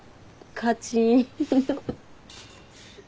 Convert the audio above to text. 勝ち。